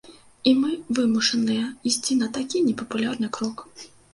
І мы вымушаныя ісці на такі непапулярны крок.